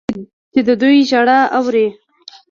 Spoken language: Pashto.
چې د دوی ژړا اوري.